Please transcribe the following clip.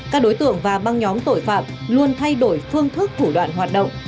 các đối tượng và băng nhóm tội phạm luôn thay đổi phương thức thủ đoạn hoạt động